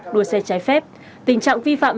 đua xe trái phép tình trạng vi phạm